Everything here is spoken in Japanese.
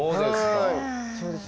そうですか。